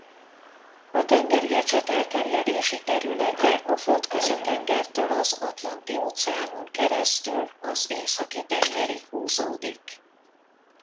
A tengeri ecset elterjedési területe a Földközi-tengertől az Atlanti-óceánon keresztül az Északi-tengerig húzódik.